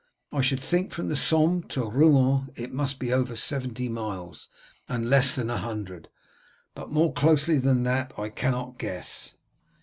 I should think from the Somme to Rouen must be over seventy miles and less than a hundred, but more closely than that I cannot guess."